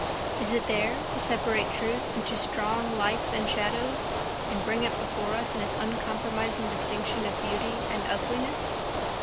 Is it there to separate truth into strong lights and shadows, and bring it before us in its uncompromising distinction of beauty and ugliness?